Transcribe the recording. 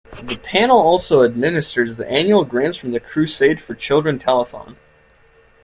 The panel also administers the annual grants from the Crusade for Children telethon.